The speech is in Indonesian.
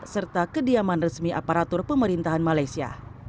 serta kediaman resmi aparatur pemerintahan malaysia